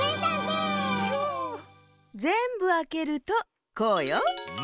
ぜんぶあけるとこうよ。